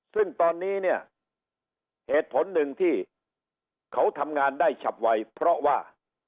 ซึ่งตอนนี้เนี่ยเหตุผลหนึ่งที่เขาทำงานได้ฉับไวเพราะว่า